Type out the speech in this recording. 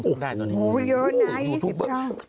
โหเยอะนะ๒๐ช่อง